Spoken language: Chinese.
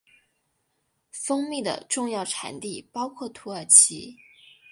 蜂蜜的重要产地包括土耳其。